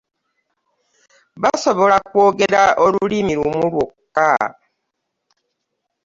Basobola kwogera olulimi lumu lwokka.